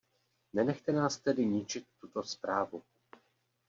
Nenechte nás tedy ničit tuto zprávu.